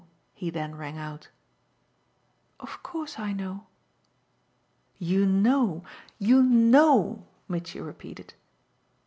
he then rang out. "Of course I know." "You know, you know!" Mitchy repeated.